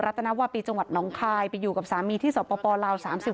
ตนวาปีจังหวัดน้องคายไปอยู่กับสามีที่สปลาว๓๔